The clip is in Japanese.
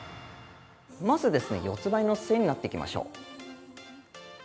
まず四つばいの姿勢になっていきましょう。